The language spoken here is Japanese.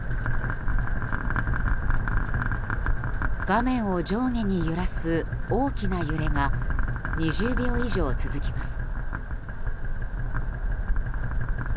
画面を上下に揺らす大きな揺れが２０秒以上、続きます。